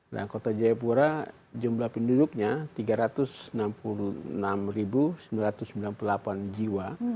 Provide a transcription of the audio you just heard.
dan kota jayapura jumlah penduduknya tiga ratus enam puluh enam sembilan ratus sembilan puluh delapan jiwa